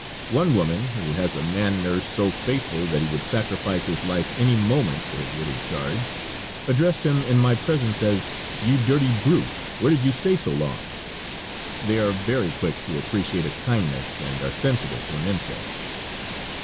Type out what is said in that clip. One woman, who has a man nurse so faithful that he would sacrifice his life any moment for his little charge, addressed him in my presence as: "You dirty brute, where did you stay so long?" They are very quick to appreciate a kindness and are sensitive to an insult.